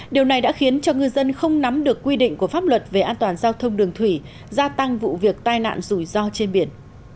điều này đã khiến cho ngư dân không nắm được quy định của pháp luật về an toàn giao thông đường thủy gia tăng vụ việc tai nạn rủi ro trên biển